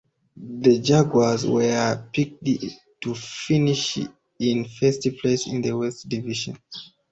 The Jaguars were picked to finish in first place in the West Division.